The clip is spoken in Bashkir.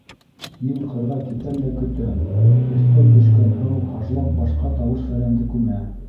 — Мин ҡырға китәм дә көтәм: өҫтән төшкән һыу һажлап башҡа тауыш-фәләнде күмә.